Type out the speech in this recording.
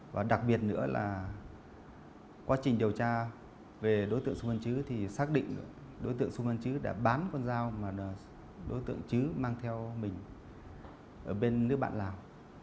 và đặc biệt nữa là quá trình điều tra về đối tượng sông văn chứ thì xác định đối tượng sung văn chứ đã bán con dao mà đối tượng chứ mang theo mình ở bên nước bạn lào